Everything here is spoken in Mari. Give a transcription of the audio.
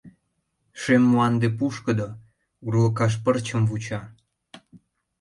Шем мланде — пушкыдо, Урлыкаш пырчым вуча.